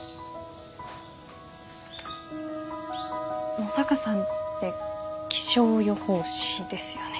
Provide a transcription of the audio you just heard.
野坂さんって気象予報士ですよね？